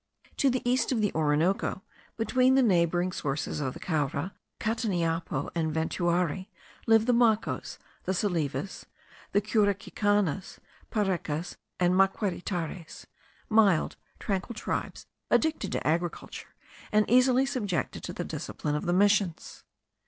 To the east of the Orinoco, between the neighbouring sources of the Caura, Cataniapo, and Ventuari, live the Macos, the Salives, the Curacicanas, Parecas, and Maquiritares, mild, tranquil tribes, addicted to agriculture, and easily subjected to the discipline of the Missions.